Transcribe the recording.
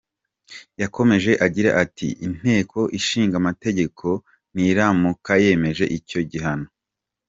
Yakomeje agira ati “Inteko Ishinga Amategeko niramuka yemeje icyo gihano.